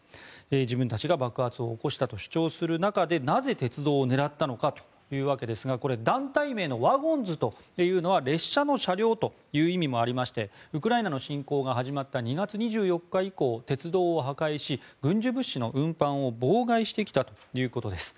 自分たちが爆発を起こしたと主張する中でなぜ鉄道を狙ったのかというわけですがこれ、団体名のワゴンズというのは列車の車両という意味もありましてウクライナへの侵攻が始まった２月２４日以降、鉄道を破壊し軍需物資の運搬を妨害してきたということです。